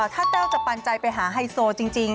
ถ้าแต้วจะปันใจไปหาไฮโซจริง